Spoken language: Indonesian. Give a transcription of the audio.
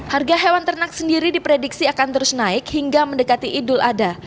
harga hewan ternak sendiri diprediksi akan terus naik hingga mendekati idul adha